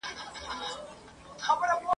له هیڅ پلوه د مقایسې وړ نه دي !.